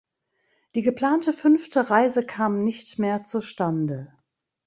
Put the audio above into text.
Die geplante fünfte Reise kam nicht mehr zustande.